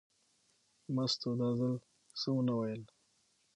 مستو دا ځل څه ونه ویل.